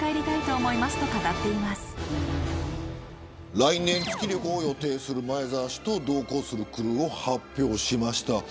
来年、月旅行を予定する前澤氏と同行するクルーを発表しました。